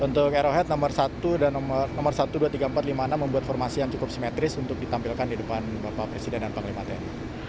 untuk aerohead nomor satu dua tiga empat lima enam membuat formasi yang cukup simetris untuk ditampilkan di depan bapak presiden dan pak limaten